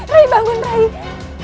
raih bangun raih